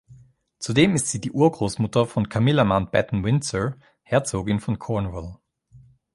Zudem ist sie die Urgroßmutter von Camilla Mountbatten-Windsor, Herzogin von Cornwall.